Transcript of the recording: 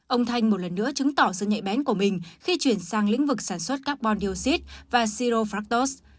ông thanh một lần nữa chứng tỏ sự nhạy bén của mình khi chuyển sang lĩnh vực sản xuất carbon dioxid và zirofractost